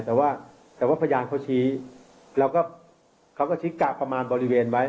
แต่ว่าพยานเขาชี้เราก็ชี้กากประมาณบริเวณไว้